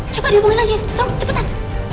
coba dihubungin lagi cepetan